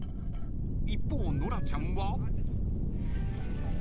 ［一方ノラちゃんは？］